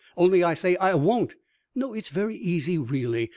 Only I say I won't !" "No, it's very easy, really.